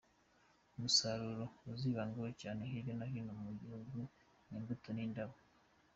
Umusaruro uzibandwaho cyane hirya no hino mu gihugu, ni imbuto n’indabo.